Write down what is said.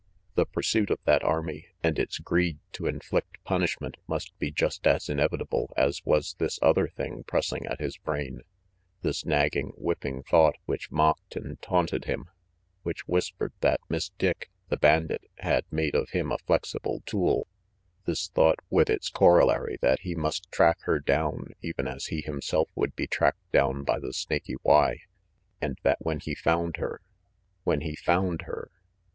The pursuit of that army, and its greed to inflict punishment, must be just as inevitable as was this other thing pressing at his brain, this nagging, whipping thought which mocked and taunted him, which whispered that Miss Dick, the bandit, had made of him a flexible tool, this thought with its corollary that he must track her down, even as he himself would be tracked down by the Snaky Y, and that when he found her when he found her what?